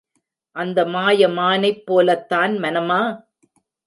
அந்த மாய மானைப் போலத் தான் மனமா?